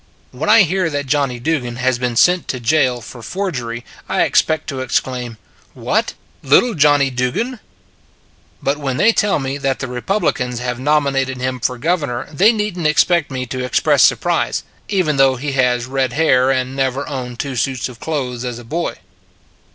When I hear that Johnny Dugan has been sent to jail for forgery I expect to ex claim "What! Little Johnny Dugan?" But when they tell me that the Repub licans have nominated him for Governor they need n t expect me to express surprise, even though he has red hair and never owned two suits of clothes as a boy.